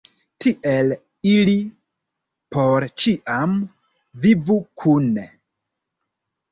Tiel ili por ĉiam vivu kune.